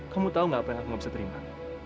kamu tahu gak apa yang aku bisa terima